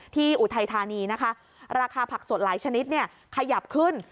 ที่อุทัยธานีราคาผักสดหลายชนิดขยับขึ้น